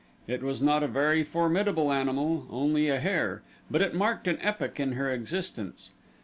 It was not a very formidable animal only a hare; but it marked an epoch in her existence.